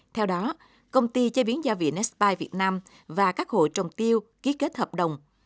theo đó công ty chế biến gia vị nespai việt nam và các hộ trồng tiêu ký kết hợp đồng